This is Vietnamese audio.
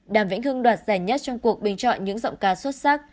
đàm vĩnh hưng đoạt giải nhất trong cuộc bình chọn những giọng ca xuất sắc